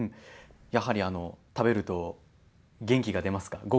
やはり食べると元気が出ますか。